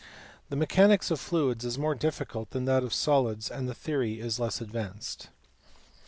The mechanics of fluids is more difficult than that of solids and the theory is less advanced.